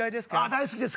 大好きです